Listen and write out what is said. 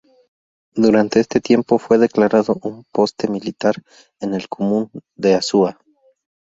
Durante este tiempo, fue declarado un poste militar en el Común de Azua.